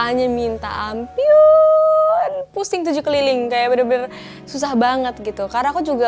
hanya minta ampun pusing tujuh keliling kayak bener bener susah banget gitu karena aku juga